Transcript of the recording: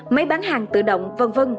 máy bán hàng tự động v v